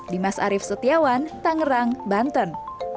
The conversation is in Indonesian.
dimas arief setiawan tangerang banten